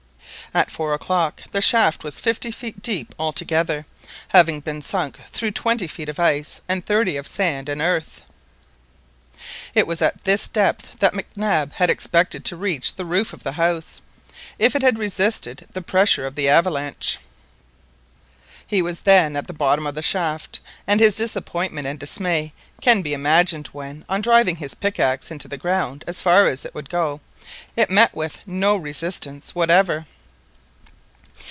At four o'clock the shaft was fifty feet deep altogether, having been sunk through twenty feet of ice and thirty of sand and earth. It was at this depth that Mac Nab had expected to reach the roof of the house, if it had resisted the pressure of the avalanche. He was then at the bottom of the shaft, and his disappointment and dismay can be imagined when, on driving his pickaxe into the ground as far as it would go, it met with no resistance whatever.